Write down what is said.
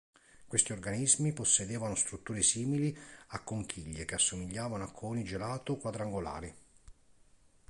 Questi organismi possedevano strutture simili a conchiglie che assomigliavano a coni gelato quadrangolari.